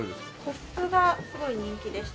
コップがすごい人気でして。